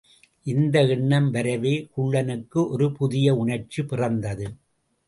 இந்த எண்ணம் வரவே குள்ளனுக்கு ஒரு புதிய உணர்ச்சி பிறந்தது.